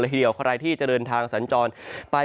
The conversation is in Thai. ทีเดียวใครที่จะเดินทางสัญจรไป